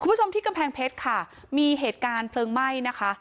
คุณผู้ชมที่กำแพงเพชรค่ะมีเหตุการณ์เพลิงไหม้นะคะ